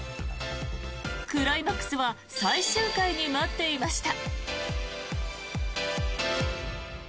クライマックスは最終回に待っていました。